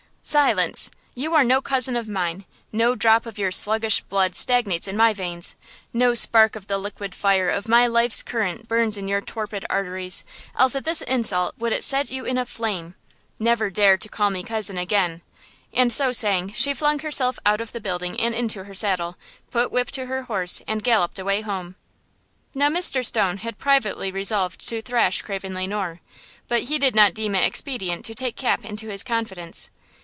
"Silence! You are no cousin of mine–no drop of your sluggish blood stagnates in my veins–no spark of the liquid fire of my life's current burns in your torpid arteries, else at this insult would it set you in a flame! Never dare to call me cousin again." And so saying, she flung herself out of the building and into her saddle, put whip to her horse and galloped away home. Now, Mr. Stone had privately resolved to thrash Craven Le Noir; but he did not deem it expedient to take Cap into his confidence.